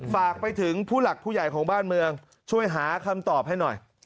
ฝากไปถึงผู้หลักผู้ใหญ่ของบ้านเมืองช่วยหาคำตอบให้หน่อย